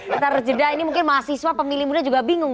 kita harus jeda ini mungkin mahasiswa pemilih muda juga bingung